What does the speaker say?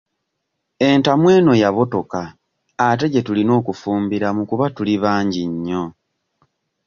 Entamu eno yabotoka ate gye tulina okufumbiramu kuba tuli bangi nnyo.